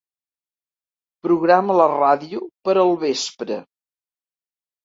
Programa la ràdio per al vespre.